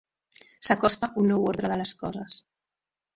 S'acosta un nou ordre de les coses.